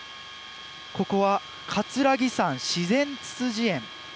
ここは葛城山自然ツツジ園。